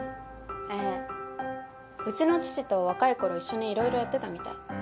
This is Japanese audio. ええうちの父と若いころ一緒にいろいろやってたみたい。